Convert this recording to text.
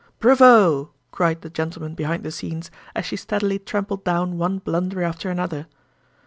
"Bravo!" cried the gentlemen behind the scenes, as she steadily trampled down one blunder after another.